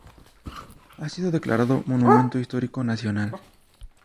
Ha sido declarado Monumento Histórico Nacional.